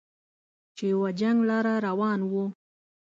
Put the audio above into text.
چې و جنګ لره روان و